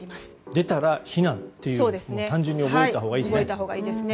出たら避難と単純に覚えたほうがいいですね。